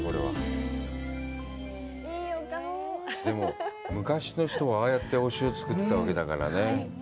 でも昔の人はああやってお塩を作ってたわけだからね。